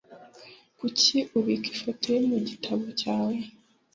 Kuki ubika ifoto ye mugitabo cyawe?